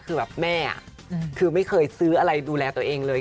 คือแบบแม่คือไม่เคยซื้ออะไรดูแลตัวเองเลย